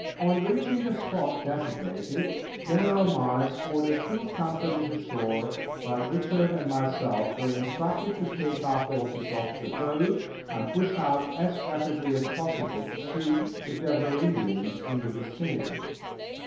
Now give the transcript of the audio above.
On reaching the spot designated, General Miles ordered two companies ashore, while Richard and myself were instructed to take our horses off the boat and push out as rapidly as possible to see if there were Indians in the vicinity.